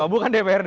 oh bukan dprd